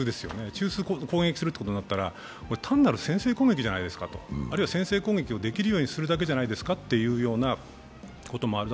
中枢を攻撃することになったら単なる先制攻撃じゃないですかと、あるいは先制攻撃をできるようにするだけじゃないですかということもある。